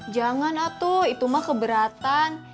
jangan atu itu mah keberatan